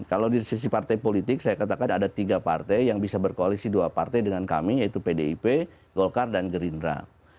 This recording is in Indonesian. kalau di sisi partai politik saya katakan ada tiga partai yang bisa berkoalisi dua partai dengan kami yaitu pdip golkar dan gerindra